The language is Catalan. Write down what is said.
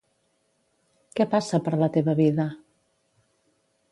Què passa per la teva vida?